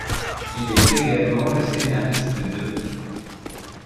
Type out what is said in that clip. Il est également le scénariste de '.